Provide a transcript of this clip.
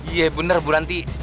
iya benar bu ranti